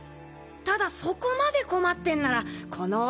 ただそこまで困ってんならこの俺が手伝って。